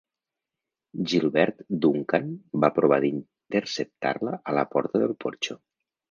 Gilbert Duncan va provar d'interceptar-la a la porta del porxo.